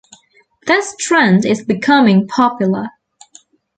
This trend is becoming popular.